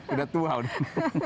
udah tua udah